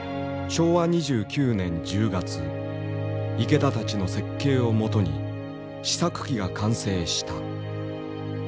昭和２９年１０月池田たちの設計をもとに試作機が完成した。